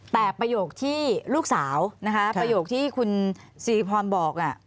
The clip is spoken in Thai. แต่ประโยคที่ลูกสาวนะคะประโยคที่คุณสิริพรบอก